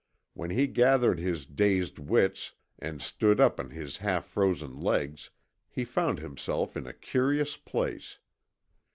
When he gathered his dazed wits and stood up on his half frozen legs he found himself in a curious place.